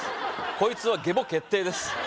こいつはゲボ決定です